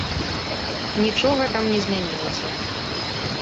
Нічога там не змянілася.